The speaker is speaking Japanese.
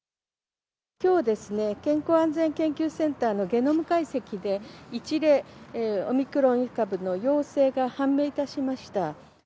きょう、健康安全研究センターのゲノム解析で、１例、オミクロン株の陽性が判明いたしました。